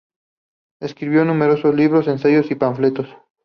Escribió numerosos libros, ensayos y panfletos.